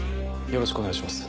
よろしくお願いします。